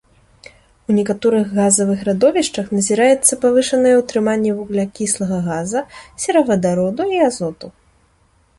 У некаторых газавых радовішчах назіраецца павышанае ўтрыманне вуглякіслага газа, серавадароду і азоту.